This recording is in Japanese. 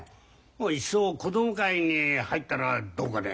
いっそ子供会に入ったらどうかね？